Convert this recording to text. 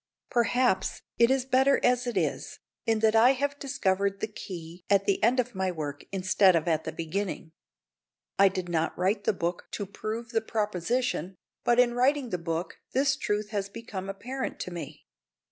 Perhaps it is better as it is, in that I have discovered the key at the end of my work instead of at the beginning. I did not write the book to prove the proposition, but in writing the book this truth has become apparent to me.